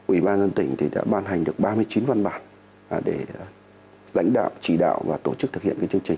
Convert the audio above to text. ủy ban dân tỉnh đã ban hành được ba mươi chín văn bản để lãnh đạo chỉ đạo và tổ chức thực hiện chương trình